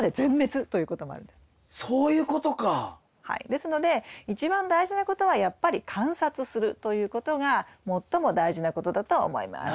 ですので一番大事なことはやっぱり観察するということが最も大事なことだと思います。